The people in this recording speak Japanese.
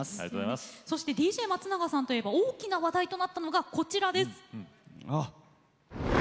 ＤＪ松永さんといえば大きな話題となったのがこちらです。